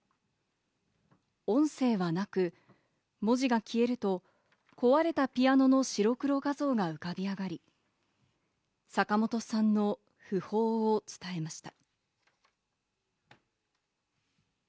音声はなく、文字が消えると、壊れたピアノの白黒画像が浮かび上がり、坂本さんの訃報を伝えました。